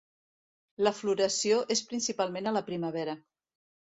La floració és principalment a la primavera.